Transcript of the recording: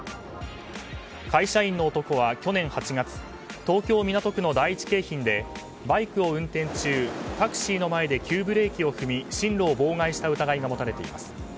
会社員の男は去年８月東京・港区の第一京浜でバイクを運転中タクシーの前で急ブレーキを踏み進路を妨害した疑いが持たれています。